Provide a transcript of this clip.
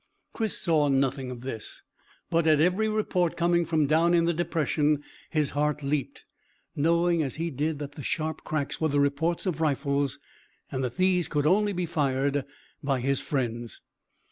Chris saw nothing of this, but at every report coming from down in the depression his heart leaped, knowing as he did that the sharp cracks were the reports of rifles, and that these could only be fired by his friends.